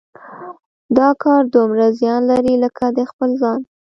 دا کار دومره زیان لري لکه د خپل ځان.